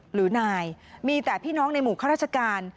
ขอเข้าประตูนี้ครับท่าน